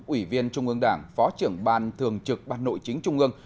ủy viên trung ương đảng phó trưởng ban thường trực ban nội chính trung ương